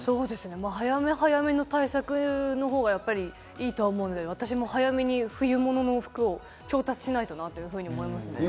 早め早めの対策のほうがいいと思うので、私も早めに冬物の服を調達しないとなと思いましたね。